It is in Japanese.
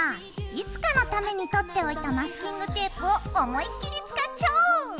いつかのためにとっておいたマスキングテープを思いっきり使っちゃおう！